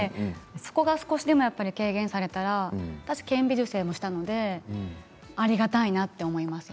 そこが少しでも軽減されたら私、顕微授精もしたのでありがたいなと思います